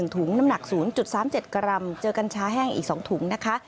ถุงน้ำหนัก๐๓๗กรัมเจอกัญชาแห้งอีก๒ถุงนะคะ